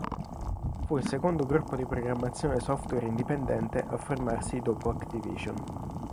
Fu il secondo gruppo di programmazione software indipendente a formarsi dopo Activision.